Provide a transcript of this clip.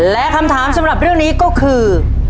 และคำถามสำหรับเรื่องนี้ก็คือ